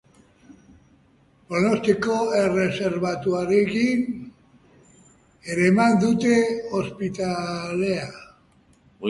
Pronostiko erreserbatuarekin eraman dute ospitalera.